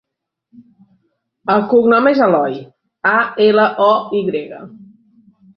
El cognom és Aloy: a, ela, o, i grega.